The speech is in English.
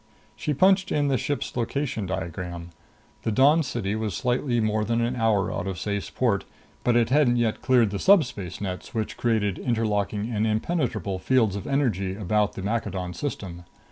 She punched in the ship's location diagram. The Dawn City was slightly more than an hour out of Ceyce Port, but it hadn't yet cleared the subspace nets which created interlocking and impenetrable fields of energy about the Maccadon System.